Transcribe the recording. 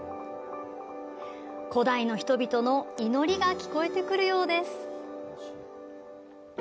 古代の人々の祈りが聞こえてくるようです。